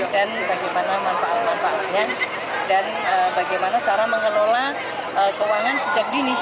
dan bagaimana manfaat manfaatnya dan bagaimana cara mengelola keuangan sejak dini